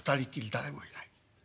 誰もいない。